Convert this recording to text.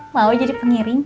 mau jadi pengiring